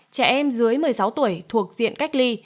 trẻ em dưới một mươi sáu tuổi thuộc diện cách ly